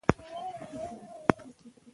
د شیدو د څښلو عادت د روغتیا لپاره اړین دی.